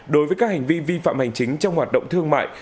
đối với các hành vi vi phạm hành chính trong hoạt động thương mại